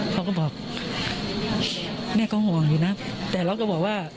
เขาก็บอกแม่ก็ห่วงอยู่นะแต่เราก็บอกว่า